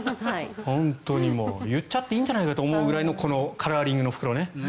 言っちゃっていいんじゃないかと思うぐらいのこのカラーリングの袋ね。